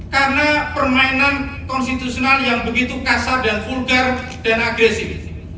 karena permainan konstitusional yang begitu kasar dan vulgar dan agresif